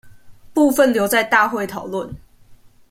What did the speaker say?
部分留在大會討論